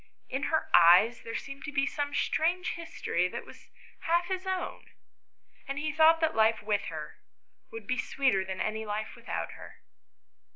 In her eyes there seemed to be some strange history that was half his own, and he thought that life with her would be sweeter than any life without her.